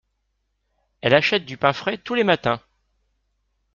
Elle achète du pain frais tous les matins.